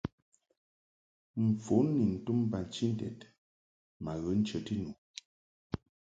Mfon ni ntum bachinted ma ghə nchəti nu.